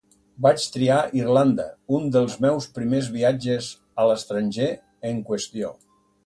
Vaig triar Irlanda, un dels meus primers viatges a l'estranger en qüestió.